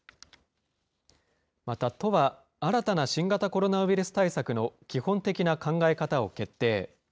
また、都は新たな新型コロナウイルス対策の基本的な考え方を決定。